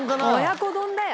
親子丼だよ。